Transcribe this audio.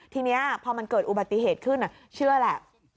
ทีนี้พอมันเกิดอุบัติเหตุขึ้นเชื่อแหละ